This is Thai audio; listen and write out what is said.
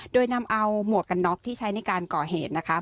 โดยนำเอาหมวกกันน็อกที่ใช้ในการก่อเหตุนะคะ